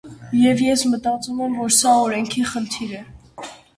Եվ ես մտածում եմ, որ սա օրենքի խնդիր է։